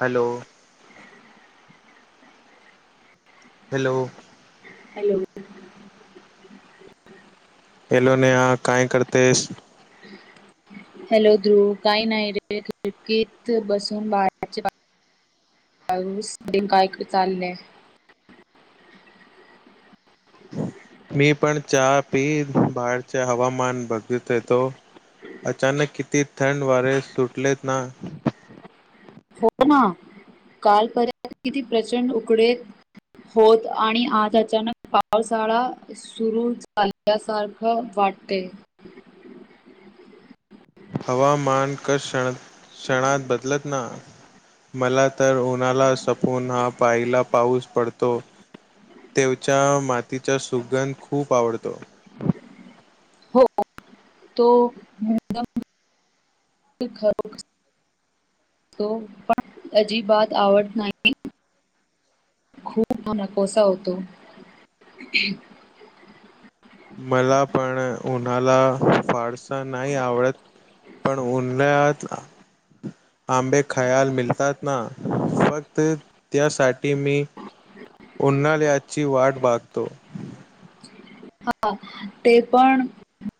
Hello. Hello. Hello hello Neha काय करतेस hello Dhruv काही नाही रे खिडकीत बसून बाळाच्या [unintelligible] चेस काय चालले मी पण चहा पी बाहेरचे हवामान बघत होतो अचानक किती थंड वारे सुटलेत ना हो ना कालपर्यंत किती प्रचंड उकडे होत आणि आज अचानक पावसाळा सुरू झाल्यासारखं वाटतय. हवामान क कषण क्षणात बदलत ना मला तर उन्हाला सपून ह पायला पाऊस पडतो तेवच्या मातीचा सुगंध खूप आवडतो हो तोदम [unintelligible] खरोख [unintelligible] पण अजिबात आवडत नाही खूप नकोसा होतो मला पण उन्हाला फारसा नाही आवडत पण उन्हाळ्यात आंबे खायाला मिळतात ना फक्त त्यासाठी मी उन्हाळ्याची वाट बागतो हा ते पण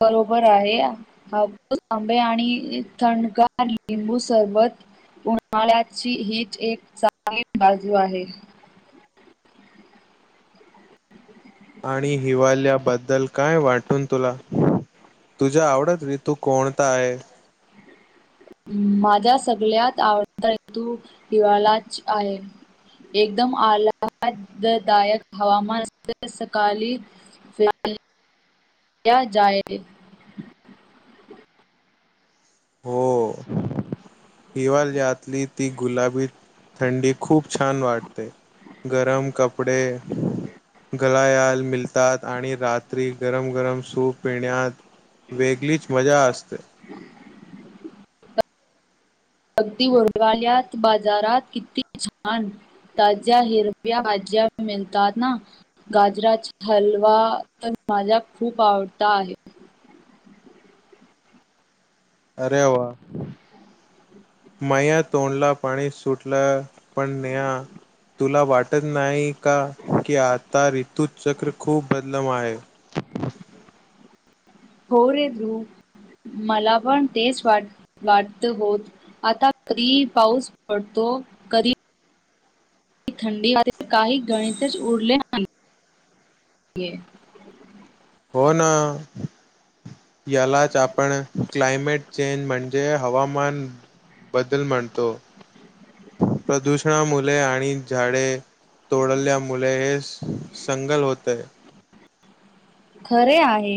बरोबर आहे आंबे आणि थंडगार लिंबू सरबत उन्हाळ्याची हीच एक चांगली बाजू आहे आणि हिवालयाबद्दल काय वाटून तुला तुझ्या आवडत ऋतू कोणता आहे माझा सगळ्यात आवडता ऋतू हिवाळाच आहे एकदम आ [unintelligible] दायक हवामान सकाळी फिर जाय [unintelligible] हो हिवाळीतली ती गुलाबी थंडी खूप छान वाटते गरम कपडे गळायाल मिळतात आणि रात्री गरम गरम सूप पिण्यात वेगळीच मजा असते अगदी हिवाल्यात बाजारात किती छान ताज्या हिरव्या भाज्या मिळतात ना, गाजराचा हलवा तर माझा खूप आवडता आहे. अरे वा माया तोंडला पाणी सुटलं. पण नेहा तुला वाट टत नाही का की आता रीतुचक्र खूप बदलम आहे. हो रे ध्रुव मला पण तेच वाट वाटत होत आता कधी पाऊस पडतो कधी थंडी मध्ये काही गणितच उरले नाही. हो ना यालाच आपण क्लायमेट चेंज म्हणजे हवामान बदल म्हणतो. प्रदूषणा मुले आणि झाडे तोडल्या मुले हे संगल होतय. खरे आहे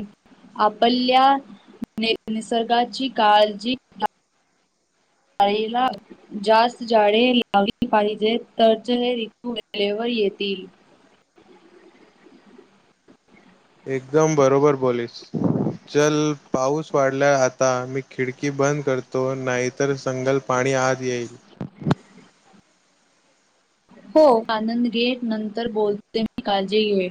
आपल्या निसर्गाची काळजी जाळेला जास्त जाडे लावली पाहिजेत, तरच हे रितू वेळेवर येतील. एकदम बरोबर बोलीस चल पाऊस वाढलाय आता मी खिडकी बंद करतो, नाहीतर संगल पाणी आत येईल. हो आनंद घे. नंतर बोलते मी काळजी घे.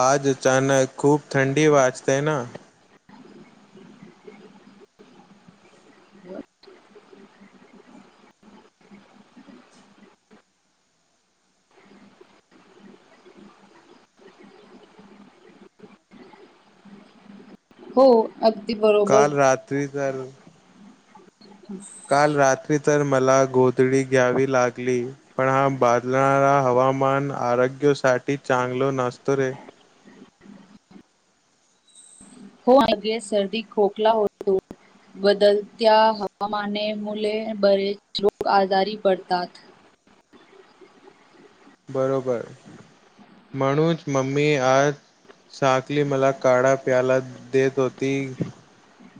आज अचानक खूप थंडी वाजते ना. हो. अगदी बरोबर. काल रात्री तर काल रात्री तर मला गोधडी घ्यावी लागली. पण हा बादलारा हवामान आरोग्यासाठी चांगल नसतो रे. हो अरे सर्दी खोकला होतो. बदलत्या हवामाने मुले बरेच लोक आजारी पडतात. बरोबर. म्हणूनच मम्मी आज साकली मला काढा प्यायला देत होती,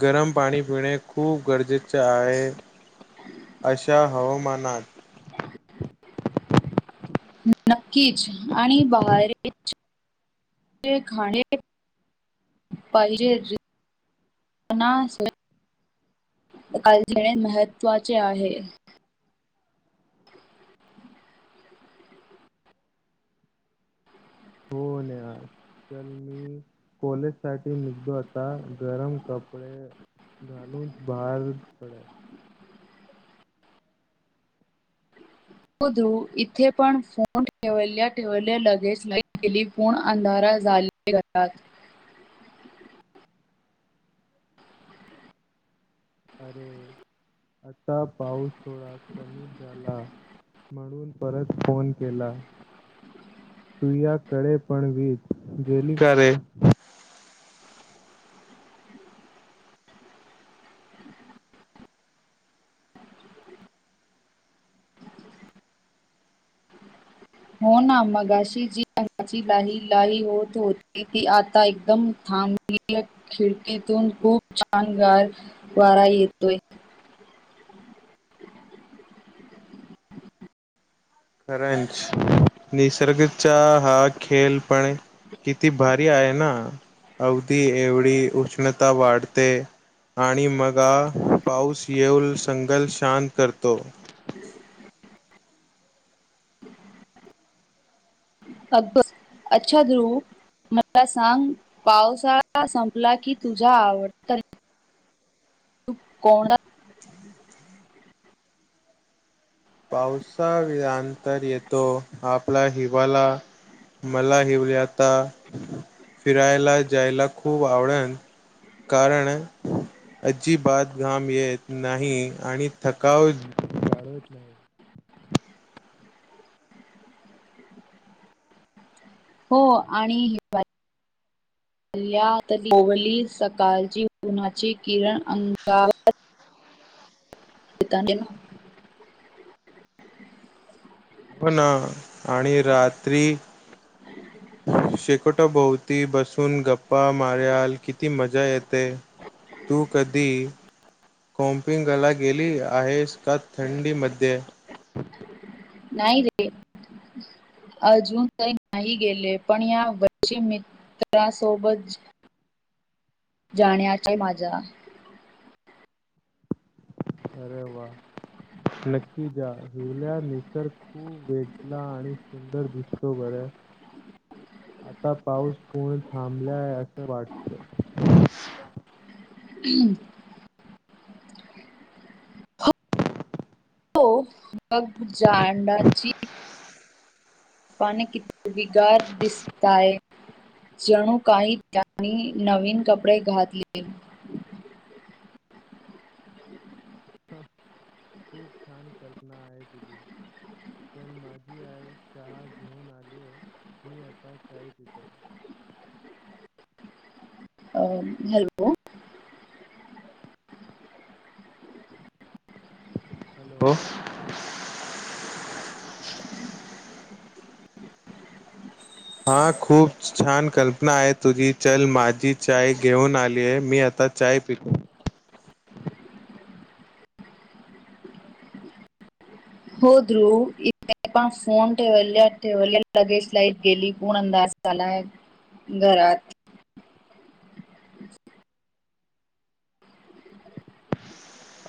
गरम पाणी पिणे खूप गरजेचे आहे. अशा हवामानात नक्कीच आणि बहेारी [unintelligible] खाणे पाहिजेल घेणे जेवणा [unintelligible] महत्वाचे आहे. हो न आज चल मी कॉलेज साठी निघतो आता गरम कपडे घालून बाहेर पड ध्रुव इथे पण फोंन ठेवल्या ठेवल्या लगेच लाईट गेली. पूर्ण अंधारा झाले घरात. अरे आता पाऊस थोडा कमी झाला म्हणून परत फोन केला. तू या कडे पण वीज गेली का रे. हो ना मगाशी जी अंगाची लाही लाई होत होती ती आता एकदम थांबली खिडकीतून खूप छान गार वारा येतोय. खरंज निसर्गाचा हा खेळ पण किती भारी आहे ना अवदी एवढी उष्णता वाढते, आणि मगा पाऊस येऊन संगल शांत करतो. अकबर अच्छा ध्रुव मला सांग पावसा संपला की तुझा आवड कोणा पावसाल्यातर येतो आपला हिवाळा मला हिवल्याता फिरायला जायला खूप आवडन कारण अजिबात घाम येत नाही आणि थकाव जानवत नाही. हो आणि हिवाळी सकाळची उन्हाची किरण अंगावर येत ना. हो ना. आणि रात्री शेकोट बसुन ती बसून गप्पा मार्याल किती मजा येते तू कधी कोमपिंगला गेली आहेस का थंडी मध्ये. नाही रे अजून काही नाही गेले पण या वर्षी मित्रासोबत जाण्याचा माझाआहे. [inaudible] नक्की जा. हिवल्या निसर्ग खूप वेगला आणि सुंदर दिसतो बर आता पाऊस पूर्ण थांबलाय असं वाटत. हम्म हो मग जाण्याची पाने किती हिरवी गार दिसतायत. जनु काही त्यांनी नवीन कपडे घातले. खूप छान कल्पना आहे तुझी. तर माझी आई चहा घेऊन आलीय मी आता चाय पितो. अ हॅलो. हॅलो. हा खूप छान कल्पना आहे तुझी, चल माझी चाय घेऊन आलीय मी आता चाय पितो. हो ध्रुव इथ पण फोन ठेवल्या ठेवल्या लगेज लाईट गेली पूर्ण अंदार झालाय घरात.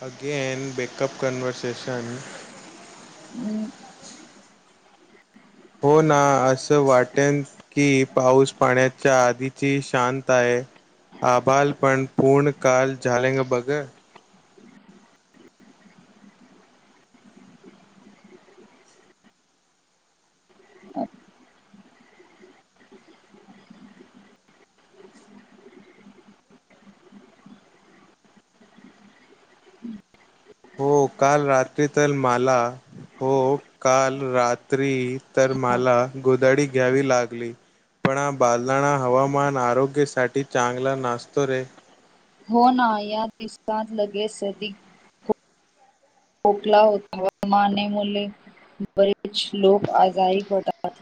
अगेन बेकअप कनवर्हर्सेेशन हम्म. हो ना असं वाटेन की पाऊस पाण्याच्या आधीची शांत आहे. आभाल पण पूर्ण काल झाले ग बघ. हो काल रात्री तर मला हो काल रात्री तर मला गोदडी घ्यावी लागली. पण बालदाणा हवामान आरोग्यासाठी चांगला नासतो रे. हो ना या ति सात लगे सदि खोकला होता हवामाने मुले बरे कुछ लोक आजाारी पडता अच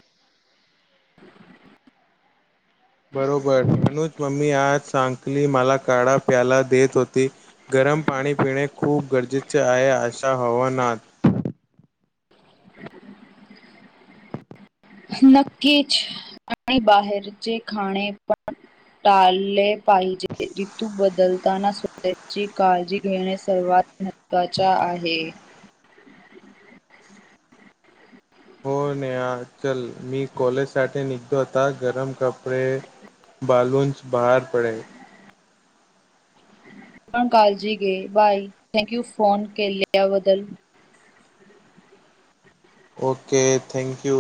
बरोबर अनुज मम्मी आज सांकली मला काढा प्यायला देत होती, गरम पाणी पिणे खूप गरजेचे आहे अशा हवानात. नक्कीच आणि बाहेरचे खाणे पण टाळले पाई जे ऋतु बदल ताना स्वतःची काळजी घेणे सर्वात महत्त्वाच्या आहे. हो नेहा चल मी कॉलेजसाठी निघतो होता गरम कपडे बलूनच बाहेर पडेल. पण कालजी गे बाय. थॅंक यू फोन केलिया बदल. Okay thank you.